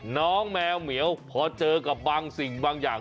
น้องแมวเหมียวพอเจอกับบางสิ่งบางอย่าง